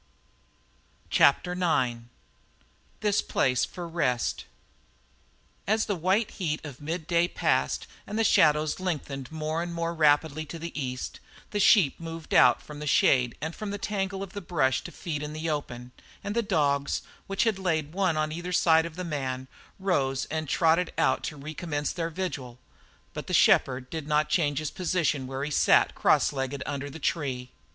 CHAPTER IX "THIS PLACE FOR REST" As the white heat of midday passed and the shadows lengthened more and more rapidly to the east, the sheep moved out from the shade and from the tangle of the brush to feed in the open, and the dogs, which had laid one on either side of the man, rose and trotted out to recommence their vigil; but the shepherd did not change his position where he sat cross legged under the tree.